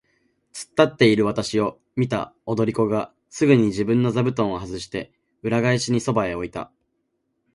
つっ立っているわたしを見た踊り子がすぐに自分の座布団をはずして、裏返しにそばへ置いた。